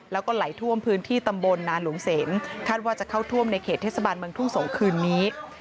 แล้วก็ไหลท่วมพื้นที่ตำบลนาหลวงเสนคาดว่าจะเข้าท่วมในเขตเทศบาลเมืองทุ่งสงศ์คืนนี้